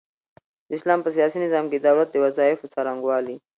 د اسلام په سياسي نظام کي د دولت د وظايفو څرنګوالي